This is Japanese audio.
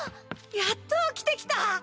やっと起きてきた！